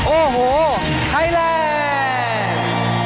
โอ้โหไทยแรก